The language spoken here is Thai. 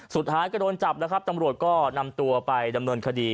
สุดท้ายก็โดนจับแล้วครับตำรวจก็นำตัวไปดำเนินคดี